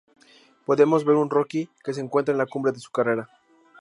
Podemos ver a un Rocky que se encuentra en la cumbre de su carrera.